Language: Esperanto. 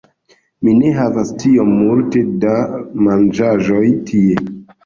Mi ne havas tiom multe da manĝaĵoj tie